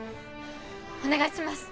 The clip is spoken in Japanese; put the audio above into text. お願いします。